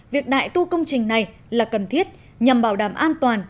việc đại tu công trình này là cần thiết nhằm bảo đảm an toàn